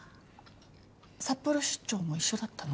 札幌出張も一緒だったの？